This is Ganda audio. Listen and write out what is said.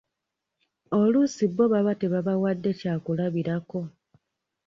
Oluusi bo baba tebabawadde kyakulabirako.